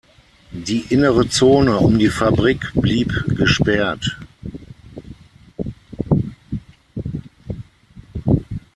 Die innere Zone um die Fabrik blieb gesperrt.